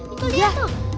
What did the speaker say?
itu dia tuh